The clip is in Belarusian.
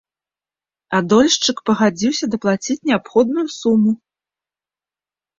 А дольшчык пагадзіўся даплаціць неабходную суму.